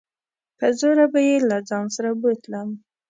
په زوره به يې له ځان سره بوتلم.